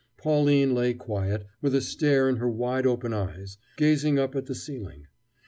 Pauline lay quiet, with a stare in her wide open eyes, gazing up at the ceiling.